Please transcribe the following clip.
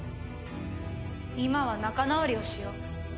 今は仲直りをしよう。